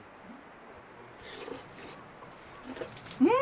うん！